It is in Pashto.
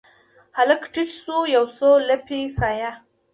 هلک ورټیټ شو یو، څو لپې سایه